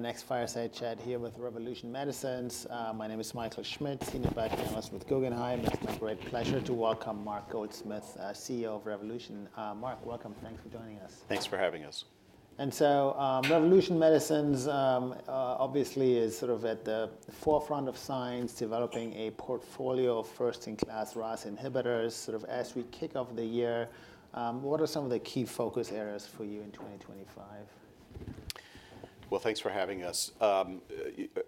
Next fireside chat here with Revolution Medicines. My name is Michael Schmidt, Senior Managing Director with Guggenheim. It's my great pleasure to welcome Mark Goldsmith, CEO of Revolution. Mark, welcome. Thanks for joining us. Thanks for having us. And so Revolution Medicines obviously is sort of at the forefront of science, developing a portfolio of first-in-class RAS inhibitors. Sort of as we kick off the year, what are some of the key focus areas for you in 2025? Thanks for having us.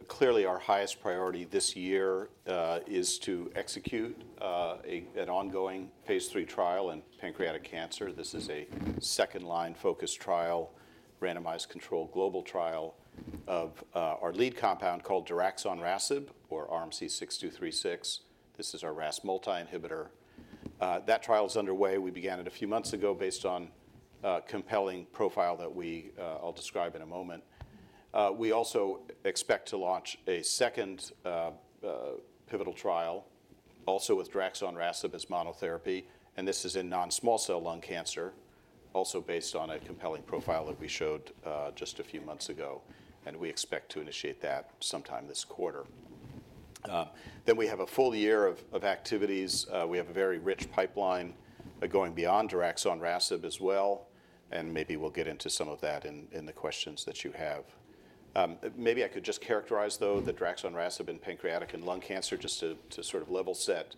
Clearly, our highest priority this year is to execute an ongoing phase III trial in pancreatic cancer. This is a second-line focused trial, randomized controlled, global trial of our lead compound called daraxonrasib, or RMC-6236. This is our RAS multi-inhibitor. That trial is underway. We began it a few months ago based on a compelling profile that I'll describe in a moment. We also expect to launch a second pivotal trial, also with daraxonrasib as monotherapy. This is in non-small cell lung cancer, also based on a compelling profile that we showed just a few months ago. We expect to initiate that sometime this quarter. We have a full year of activities. We have a very rich pipeline going beyond daraxonrasib as well. Maybe we'll get into some of that in the questions that you have. Maybe I could just characterize, though, the daraxonrasib in pancreatic and lung cancer, just to sort of level set.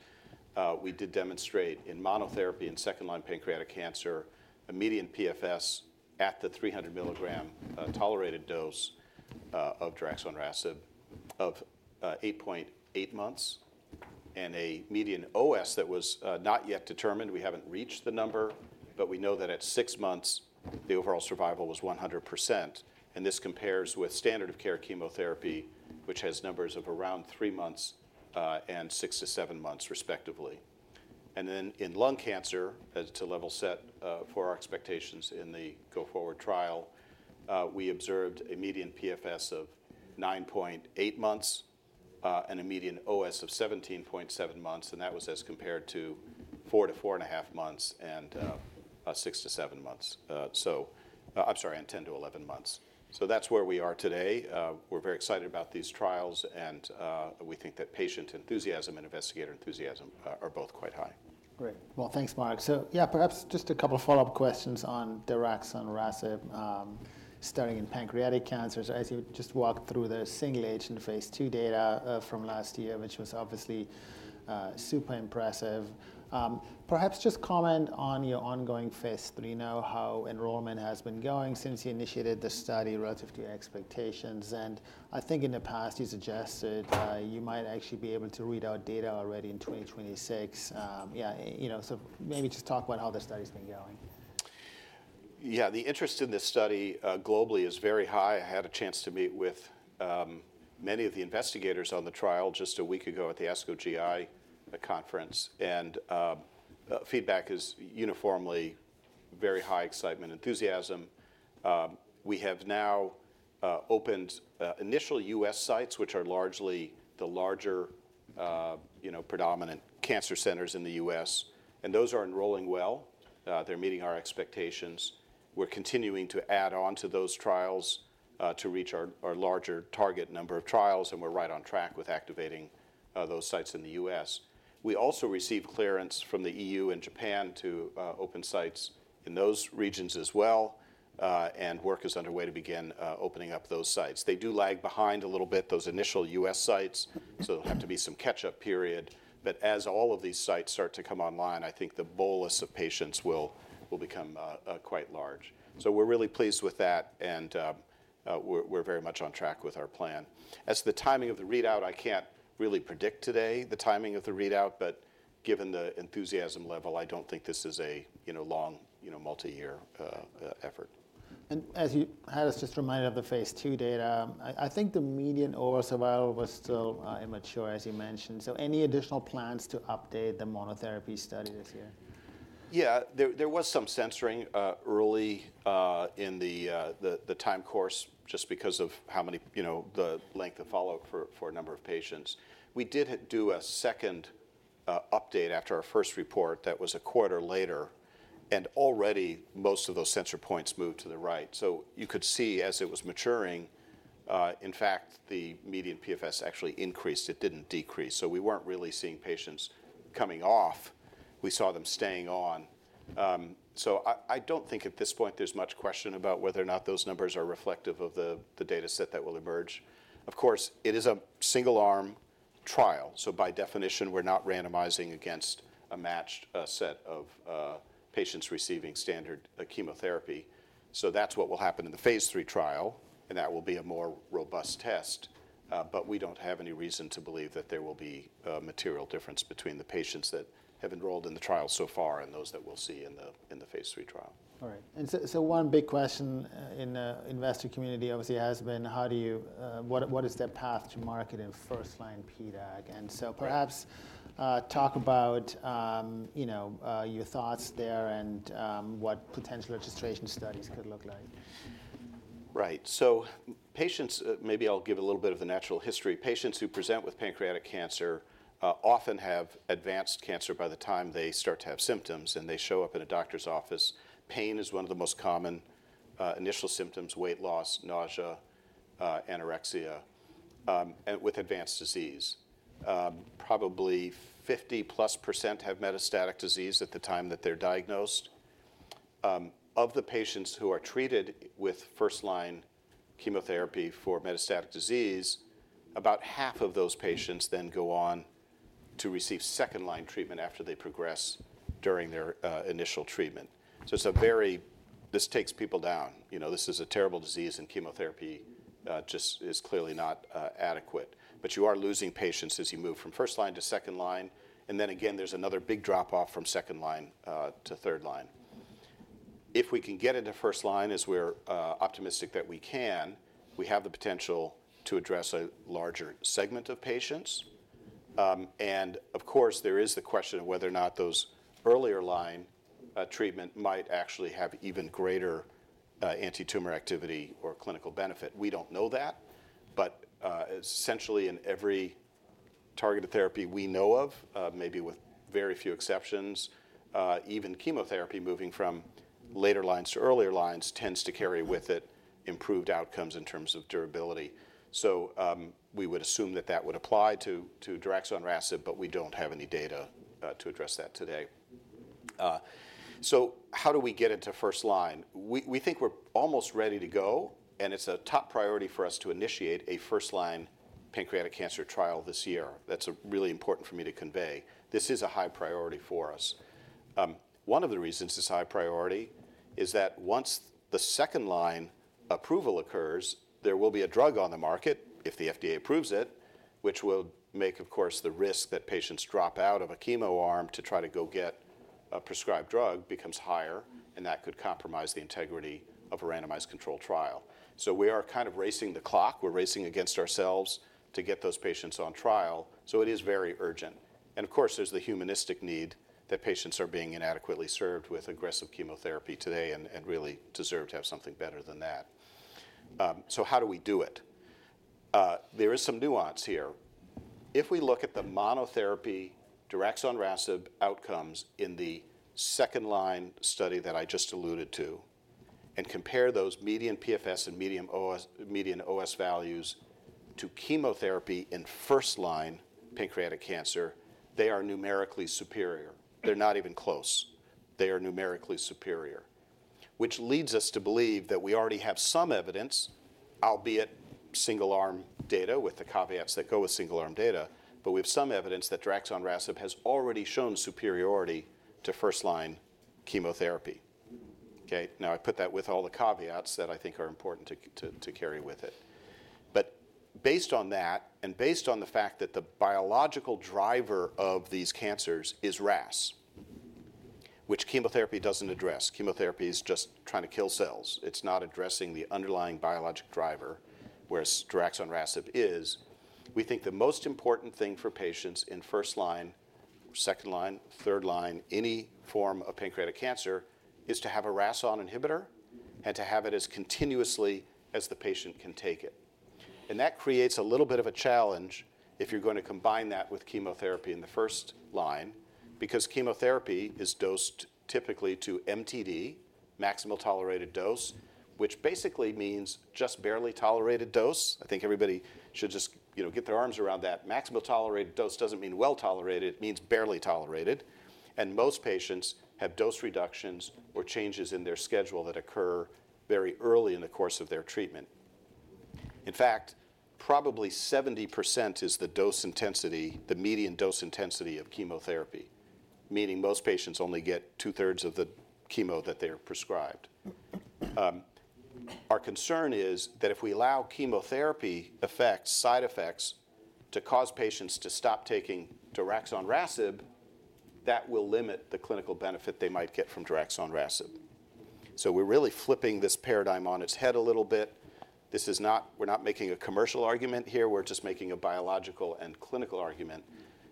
We did demonstrate in monotherapy in second-line pancreatic cancer a median PFS at the 300 mg tolerated dose of daraxonrasib of 8.8 months and a median OS that was not yet determined. We haven't reached the number, but we know that at six months, the overall survival was 100%. And this compares with standard of care chemotherapy, which has numbers of around three months and six to seven months, respectively. And then in lung cancer, to level set for our expectations in the go-forward trial, we observed a median PFS of 9.8 months and a median OS of 17.7 months. And that was as compared to four to four and a half months and six to seven months. So I'm sorry, and 10-11 months. That's where we are today. We're very excited about these trials. We think that patient enthusiasm and investigator enthusiasm are both quite high. Great. Well, thanks, Mark. So yeah, perhaps just a couple of follow-up questions on daraxonrasib starting in pancreatic cancers. As you just walked through the single-agent phase II data from last year, which was obviously super impressive. Perhaps just comment on your ongoing phase III, how enrollment has been going since you initiated the study relative to your expectations. And I think in the past you suggested you might actually be able to read out data already in 2026. Yeah, so maybe just talk about how the study has been going. Yeah, the interest in this study globally is very high. I had a chance to meet with many of the investigators on the trial just a week ago at the ASCO GI conference, and feedback is uniformly very high excitement, enthusiasm. We have now opened initial U.S. sites, which are largely the larger predominant cancer centers in the U.S., and those are enrolling well. They're meeting our expectations. We're continuing to add on to those trials to reach our larger target number of trials, and we're right on track with activating those sites in the U.S. We also received clearance from the E.U. and Japan to open sites in those regions as well, and work is underway to begin opening up those sites. They do lag behind a little bit, those initial U.S. sites, so there'll have to be some catch-up period. but as all of these sites start to come online, I think the bolus of patients will become quite large. so we're really pleased with that. and we're very much on track with our plan. As to the timing of the readout, I can't really predict today the timing of the readout. but given the enthusiasm level, I don't think this is a long multi-year effort. As you had us just reminded of the phase II data, I think the median OS overall was still immature, as you mentioned. Any additional plans to update the monotherapy study this year? Yeah, there was some censoring early in the time course just because of the length of follow-up for a number of patients. We did do a second update after our first report that was a quarter later, and already most of those censor points moved to the right, so you could see as it was maturing, in fact, the median PFS actually increased. It didn't decrease, so we weren't really seeing patients coming off. We saw them staying on, so I don't think at this point there's much question about whether or not those numbers are reflective of the data set that will emerge. Of course, it is a single-arm trial, so by definition, we're not randomizing against a matched set of patients receiving standard chemotherapy, so that's what will happen in the phase III trial, and that will be a more robust test. But we don't have any reason to believe that there will be a material difference between the patients that have enrolled in the trial so far and those that we'll see in the phase III trial. All right. And so one big question in the investor community obviously has been, what is the path to marketing first-line PDAC? And so perhaps talk about your thoughts there and what potential registration studies could look like. Right, so patients, maybe I'll give a little bit of the natural history. Patients who present with pancreatic cancer often have advanced cancer by the time they start to have symptoms, and they show up in a doctor's office. Pain is one of the most common initial symptoms: weight loss, nausea, anorexia, and with advanced disease. Probably 50%+ have metastatic disease at the time that they're diagnosed. Of the patients who are treated with first-line chemotherapy for metastatic disease, about half of those patients then go on to receive second-line treatment after they progress during their initial treatment, so it's a very—this takes people down. This is a terrible disease, and chemotherapy just is clearly not adequate, but you are losing patients as you move from first-line to second-line, and then again, there's another big drop-off from second-line to third-line. If we can get into first-line, as we're optimistic that we can, we have the potential to address a larger segment of patients, and of course, there is the question of whether or not those earlier line treatment might actually have even greater anti-tumor activity or clinical benefit. We don't know that, but essentially, in every targeted therapy we know of, maybe with very few exceptions, even chemotherapy moving from later lines to earlier lines tends to carry with it improved outcomes in terms of durability. So we would assume that that would apply to daraxonrasib, but we don't have any data to address that today, so how do we get into first-line? We think we're almost ready to go, and it's a top priority for us to initiate a first-line pancreatic cancer trial this year. That's really important for me to convey. This is a high priority for us. One of the reasons it's high priority is that once the second-line approval occurs, there will be a drug on the market, if the FDA approves it, which will make, of course, the risk that patients drop out of a chemo arm to try to go get a prescribed drug becomes higher, and that could compromise the integrity of a randomized controlled trial, so we are kind of racing the clock. We're racing against ourselves to get those patients on trial, so it is very urgent, and of course, there's the humanistic need that patients are being inadequately served with aggressive chemotherapy today and really deserve to have something better than that, so how do we do it? There is some nuance here. If we look at the monotherapy daraxonrasib outcomes in the second-line study that I just alluded to and compare those median PFS and median OS values to chemotherapy in first-line pancreatic cancer, they are numerically superior. They're not even close. They are numerically superior, which leads us to believe that we already have some evidence, albeit single-arm data with the caveats that go with single-arm data. But we have some evidence that daraxonrasib has already shown superiority to first-line chemotherapy. Now, I put that with all the caveats that I think are important to carry with it. But based on that and based on the fact that the biological driver of these cancers is RAS, which chemotherapy doesn't address, chemotherapy is just trying to kill cells. It's not addressing the underlying biologic driver, whereas daraxonrasib is. We think the most important thing for patients in first-line, second-line, third-line, any form of pancreatic cancer is to have a RAS(ON) inhibitor and to have it as continuously as the patient can take it, and that creates a little bit of a challenge if you're going to combine that with chemotherapy in the first line, because chemotherapy is dosed typically to MTD, maximal tolerated dose, which basically means just barely tolerated dose. I think everybody should just get their arms around that. Maximal tolerated dose doesn't mean well tolerated. It means barely tolerated. Most patients have dose reductions or changes in their schedule that occur very early in the course of their treatment. In fact, probably 70% is the dose intensity, the median dose intensity of chemotherapy, meaning most patients only get two-thirds of the chemo that they're prescribed. Our concern is that if we allow chemotherapy effects, side effects to cause patients to stop taking daraxonrasib, that will limit the clinical benefit they might get from daraxonrasib. So we're really flipping this paradigm on its head a little bit. This is not. We're not making a commercial argument here. We're just making a biological and clinical argument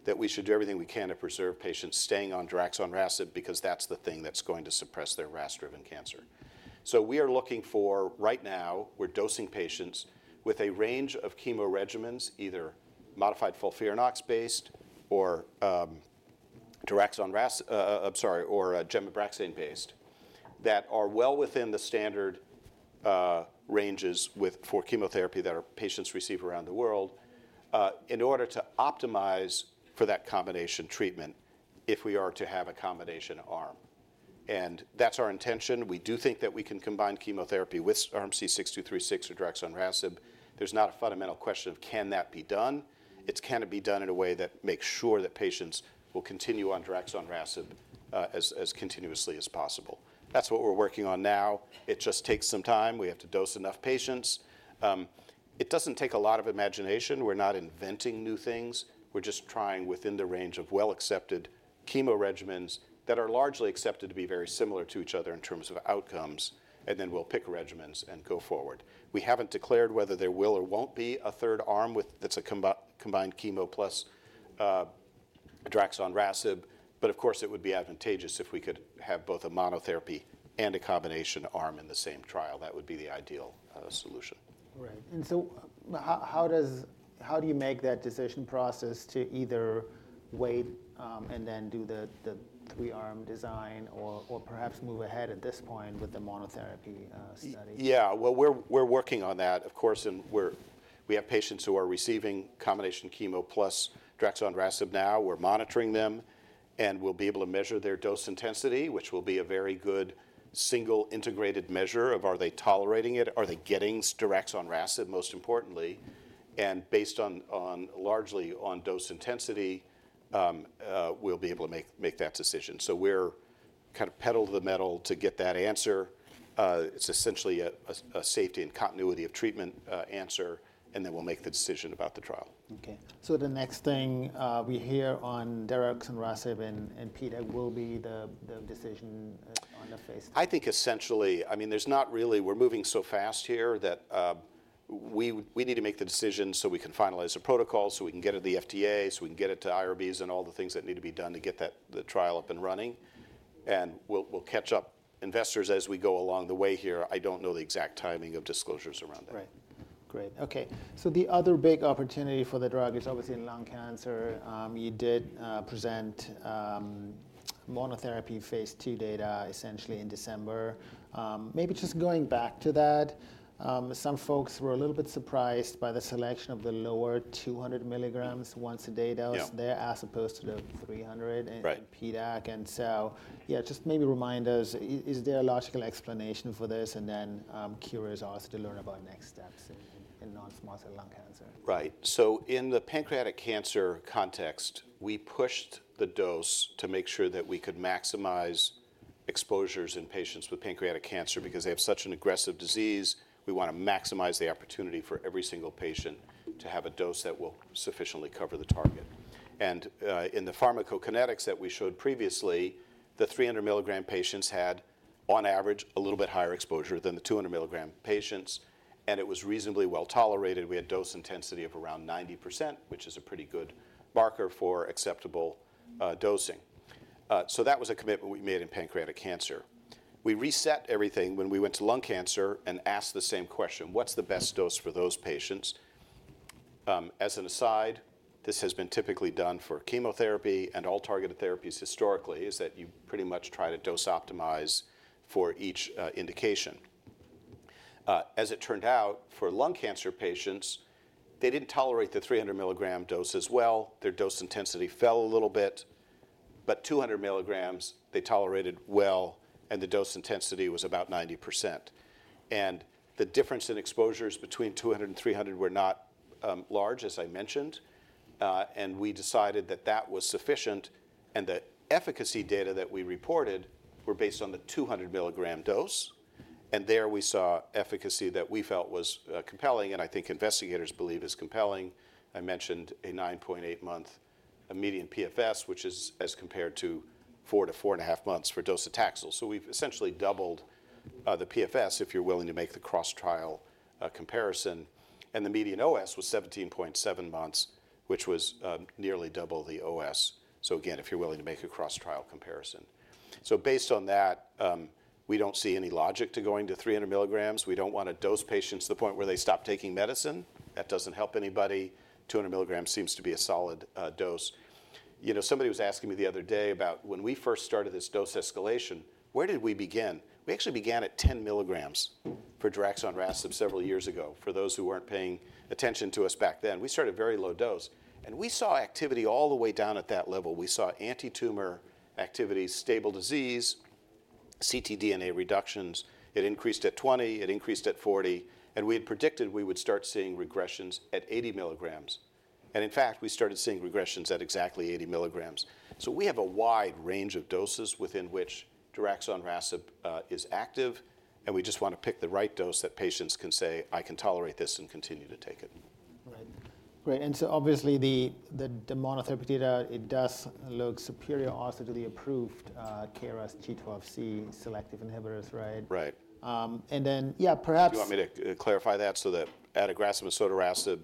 that we should do everything we can to preserve patients staying on daraxonrasib because that's the thing that's going to suppress their RAS-driven cancer. So we are looking for right now. We're dosing patients with a range of chemo regimens, either modified FOLFIRINOX-based or Gem/Abraxane-based, that are well within the standard ranges for chemotherapy that our patients receive around the world in order to optimize for that combination treatment if we are to have a combination arm. And that's our intention. We do think that we can combine chemotherapy with RMC-6236 or daraxonrasib. There's not a fundamental question of can that be done. It's can it be done in a way that makes sure that patients will continue on daraxonrasib as continuously as possible. That's what we're working on now. It just takes some time. We have to dose enough patients. It doesn't take a lot of imagination. We're not inventing new things. We're just trying within the range of well-accepted chemo regimens that are largely accepted to be very similar to each other in terms of outcomes. And then we'll pick regimens and go forward. We haven't declared whether there will or won't be a third arm that's a combined chemo plus daraxonrasib. But of course, it would be advantageous if we could have both a monotherapy and a combination arm in the same trial. That would be the ideal solution. All right. And so how do you make that decision process to either wait and then do the three-arm design or perhaps move ahead at this point with the monotherapy study? Yeah, well, we're working on that, of course. And we have patients who are receiving combination chemo plus daraxonrasib now. We're monitoring them. And we'll be able to measure their dose intensity, which will be a very good single integrated measure of are they tolerating it? Are they getting daraxonrasib most importantly? And based largely on dose intensity, we'll be able to make that decision. So we're kind of pedal to the metal to get that answer. It's essentially a safety and continuity of treatment answer. And then we'll make the decision about the trial. OK, so the next thing we hear on daraxonrasib and PDAC will be the decision on the phase III? I think essentially, I mean, there's not really. We're moving so fast here that we need to make the decision so we can finalize the protocol, so we can get it to the FDA, so we can get it to IRBs and all the things that need to be done to get the trial up and running, and we'll catch up investors as we go along the way here. I don't know the exact timing of disclosures around that. Right. Great. OK. So the other big opportunity for the drug is obviously in lung cancer. You did present monotherapy phase II data essentially in December. Maybe just going back to that, some folks were a little bit surprised by the selection of the lower 200 mg once a day dose there as opposed to the 300 in PDAC. So yeah, just maybe remind us, is there a logical explanation for this? And then curious to learn about next steps in non-small cell lung cancer. Right, so in the pancreatic cancer context, we pushed the dose to make sure that we could maximize exposures in patients with pancreatic cancer because they have such an aggressive disease. We want to maximize the opportunity for every single patient to have a dose that will sufficiently cover the target, and in the pharmacokinetics that we showed previously, the 300 mg patients had, on average, a little bit higher exposure than the 200 mg patients, and it was reasonably well tolerated. We had dose intensity of around 90%, which is a pretty good marker for acceptable dosing, so that was a commitment we made in pancreatic cancer. We reset everything when we went to lung cancer and asked the same question: what's the best dose for those patients? As an aside, this has been typically done for chemotherapy and all targeted therapies historically, that is, you pretty much try to dose optimize for each indication. As it turned out, for lung cancer patients, they didn't tolerate the 300 mg dose as well. Their dose intensity fell a little bit. But 200 mg, they tolerated well. And the dose intensity was about 90%. And the difference in exposures between 200 and 300 were not large, as I mentioned. And we decided that that was sufficient. And the efficacy data that we reported were based on the 200 mg dose. And there we saw efficacy that we felt was compelling and I think investigators believe is compelling. I mentioned a 9.8-month median PFS, which is as compared to four to four and a half months for docetaxel. So we've essentially doubled the PFS if you're willing to make the cross-trial comparison. And the median OS was 17.7 months, which was nearly double the OS. So again, if you're willing to make a cross-trial comparison. So based on that, we don't see any logic to going to 300 mg. We don't want to dose patients to the point where they stop taking medicine. That doesn't help anybody. 200 mg seems to be a solid dose. Somebody was asking me the other day about when we first started this dose escalation, where did we begin? We actually began at 10 mg for daraxonrasib several years ago for those who weren't paying attention to us back then. We started a very low dose. And we saw activity all the way down at that level. We saw anti-tumor activity, stable disease, ctDNA reductions. It increased at 20. It increased at 40, and we had predicted we would start seeing regressions at 80 mg. And in fact, we started seeing regressions at exactly 80 mg, so we have a wide range of doses within which daraxonrasib is active. And we just want to pick the right dose that patients can say, "I can tolerate this and continue to take it. Right. Great. And so obviously, the monotherapy data, it does look superior also to the approved KRAS G12C selective inhibitors, right? Right. And then yeah, perhaps. Do you want me to clarify that so that adagrasib and sotorasib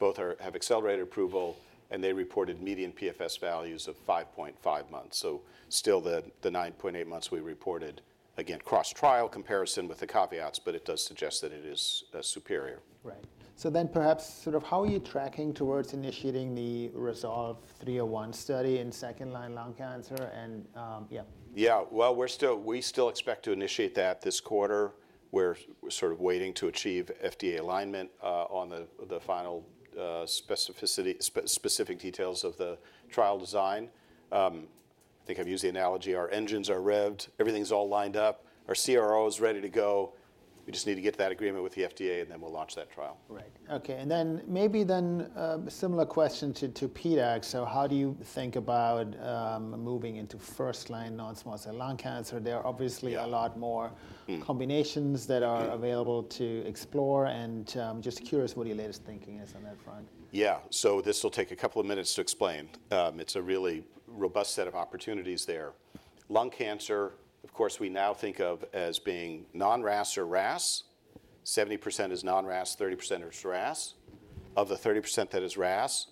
both have accelerated approval? And they reported median PFS values of 5.5 months. So still the 9.8 months we reported, again, cross-trial comparison with the caveats, but it does suggest that it is superior. Right. So then perhaps sort of how are you tracking towards initiating the RASolve-301 study in second-line lung cancer? And yeah. Yeah. Well, we still expect to initiate that this quarter. We're sort of waiting to achieve FDA alignment on the final specific details of the trial design. I think I've used the analogy, our engines are revved. Everything's all lined up. Our CRO is ready to go. We just need to get to that agreement with the FDA, and then we'll launch that trial. Right. OK. And then maybe a similar question to PDAC. So how do you think about moving into first-line non-small cell lung cancer? There are obviously a lot more combinations that are available to explore. And just curious what your latest thinking is on that front. Yeah. So this will take a couple of minutes to explain. It's a really robust set of opportunities there. Lung cancer, of course, we now think of as being non-RAS or RAS. 70% is non-RAS, 30% is RAS. Of the 30% that is RAS,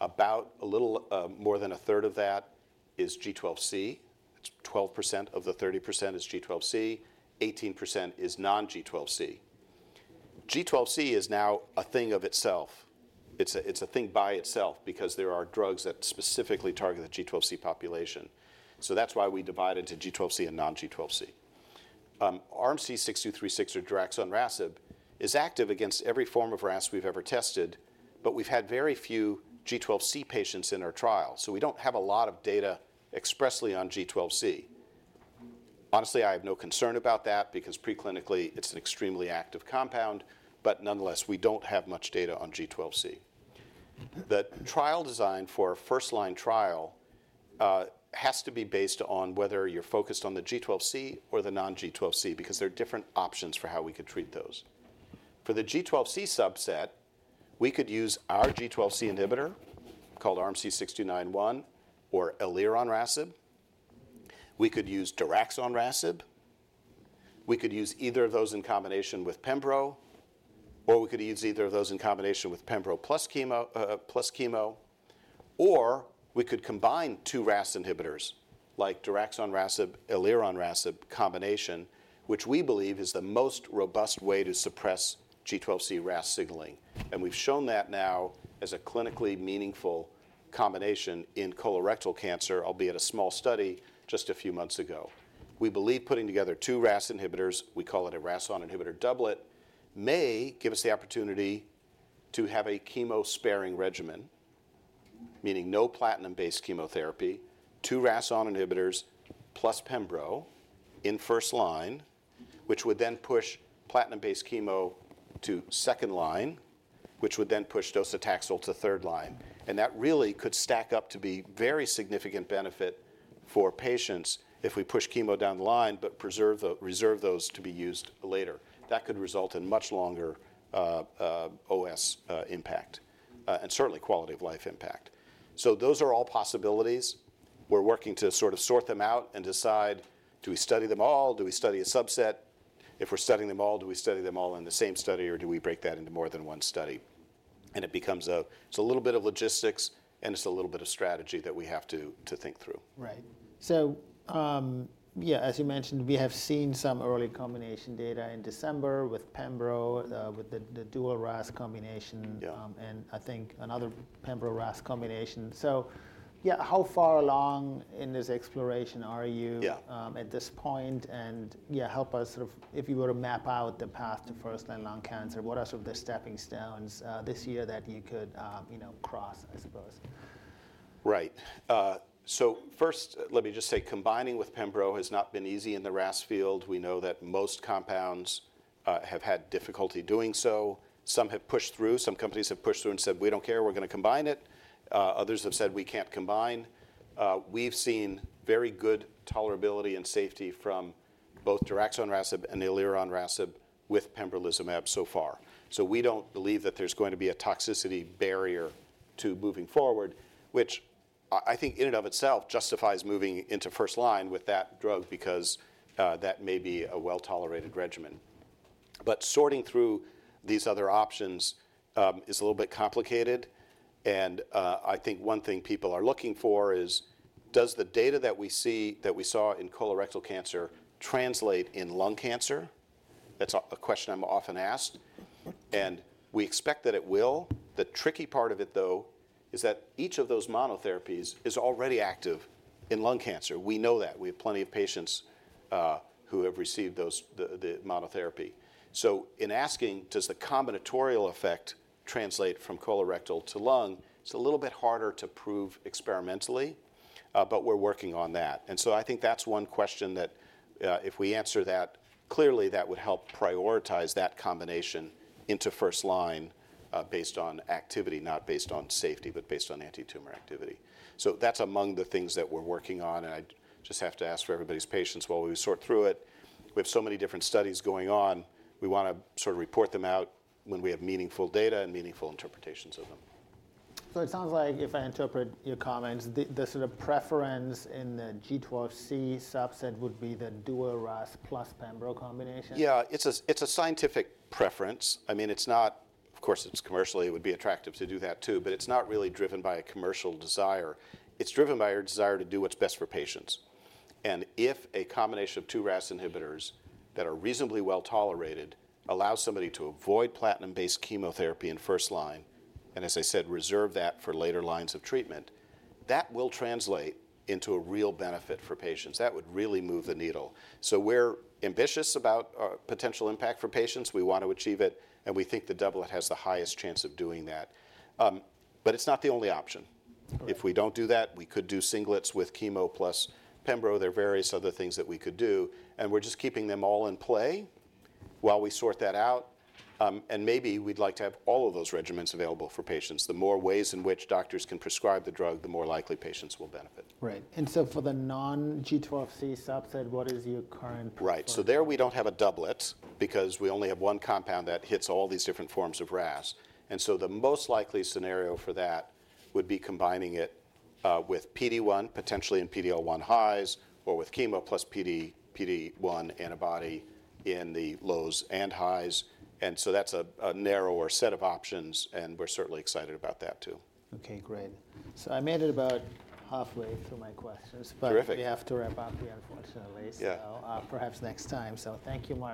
about a little more than a third of that is G12C. That's 12% of the 30% is G12C. 18% is non-G12C. G12C is now a thing of itself. It's a thing by itself because there are drugs that specifically target the G12C population. So that's why we divide into G12C and non-G12C. RMC-6236 or daraxonrasib is active against every form of RAS we've ever tested, but we've had very few G12C patients in our trial. So we don't have a lot of data expressly on G12C. Honestly, I have no concern about that because preclinically it's an extremely active compound. But nonetheless, we don't have much data on G12C. The trial design for first-line trial has to be based on whether you're focused on the G12C or the non-G12C because there are different options for how we could treat those. For the G12C subset, we could use our G12C inhibitor called RMC-6291 or elironrasib. We could use daraxonrasib. We could use either of those in combination with Pembro, or we could use either of those in combination with Pembro plus chemo. Or we could combine two RAS inhibitors like daraxonrasib, elironrasib combination, which we believe is the most robust way to suppress G12C RAS signaling. And we've shown that now as a clinically meaningful combination in colorectal cancer, albeit a small study just a few months ago. We believe putting together two RAS inhibitors, we call it a RAS(ON) inhibitor doublet, may give us the opportunity to have a chemo sparing regimen, meaning no platinum-based chemotherapy, two RAS(ON) inhibitors plus Pembro in first line, which would then push platinum-based chemo to second line, which would then push docetaxel to third line. And that really could stack up to be very significant benefit for patients if we push chemo down the line but reserve those to be used later. That could result in much longer OS impact and certainly quality of life impact. So those are all possibilities. We're working to sort of sort them out and decide, do we study them all? Do we study a subset? If we're studying them all, do we study them all in the same study or do we break that into more than one study? It becomes a little bit of logistics, and it's a little bit of strategy that we have to think through. Right. So yeah, as you mentioned, we have seen some early combination data in December with Pembro with the dual RAS combination and I think another Pembro RAS combination. So yeah, how far along in this exploration are you at this point? And yeah, help us sort of if you were to map out the path to first-line lung cancer, what are sort of the stepping stones this year that you could cross, I suppose? Right. So first, let me just say combining with Pembro has not been easy in the RAS field. We know that most compounds have had difficulty doing so. Some have pushed through. Some companies have pushed through and said, we don't care. We're going to combine it. Others have said, we can't combine. We've seen very good tolerability and safety from both daraxonrasib and elironrasib with Pembrolizumab so far. So we don't believe that there's going to be a toxicity barrier to moving forward, which I think in and of itself justifies moving into first line with that drug because that may be a well-tolerated regimen. But sorting through these other options is a little bit complicated. And I think one thing people are looking for is, does the data that we see that we saw in colorectal cancer translate in lung cancer? That's a question I'm often asked. We expect that it will. The tricky part of it, though, is that each of those monotherapies is already active in lung cancer. We know that. We have plenty of patients who have received the monotherapy. So in asking, does the combinatorial effect translate from colorectal to lung? It's a little bit harder to prove experimentally, but we're working on that. And so I think that's one question that if we answer that clearly, that would help prioritize that combination into first line based on activity, not based on safety, but based on anti-tumor activity. So that's among the things that we're working on. And I just have to ask for everybody's patience while we sort through it. We have so many different studies going on. We want to sort of report them out when we have meaningful data and meaningful interpretations of them. So it sounds like if I interpret your comments, the sort of preference in the G12C subset would be the dual RAS plus Pembro combination? Yeah. It's a scientific preference. I mean, it's not, of course, commercially, it would be attractive to do that too, but it's not really driven by a commercial desire. It's driven by our desire to do what's best for patients. And if a combination of two RAS inhibitors that are reasonably well tolerated allows somebody to avoid platinum-based chemotherapy in first line and, as I said, reserve that for later lines of treatment, that will translate into a real benefit for patients. That would really move the needle. So we're ambitious about potential impact for patients. We want to achieve it. And we think the doublet has the highest chance of doing that. But it's not the only option. If we don't do that, we could do singlets with chemo plus Pembro. There are various other things that we could do. And we're just keeping them all in play while we sort that out. And maybe we'd like to have all of those regimens available for patients. The more ways in which doctors can prescribe the drug, the more likely patients will benefit. Right. And so for the non-G12C subset, what is your current? Right, so there we don't have a doublet because we only have one compound that hits all these different forms of RAS, and so the most likely scenario for that would be combining it with PD-1, potentially in PD-L1 highs, or with chemo plus PD-1 antibody in the lows and highs, and so that's a narrower set of options, and we're certainly excited about that too. OK. Great. So I made it about halfway through my questions. Terrific. But we have to wrap up here, unfortunately. So perhaps next time. So thank you much.